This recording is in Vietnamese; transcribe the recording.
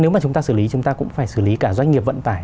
nếu mà chúng ta xử lý chúng ta cũng phải xử lý cả doanh nghiệp vận tải